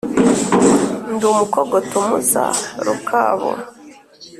ndi umukogoto mu za rukabu